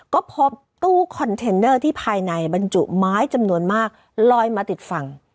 ก็พบตู้คอนเทนเนอร์ที่ภายในบรรจุไม้จำนวนมากลอยมาติดฝั่ง